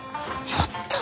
ちょっと！